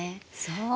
そう。